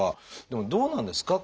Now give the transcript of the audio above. でもどうなんですか？